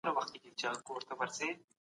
شجاع الدوله خپله واکمني وساتله.